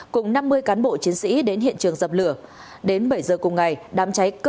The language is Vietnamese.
cùng năm mươi cán bộ chiến sĩ đến hiện trường dập lửa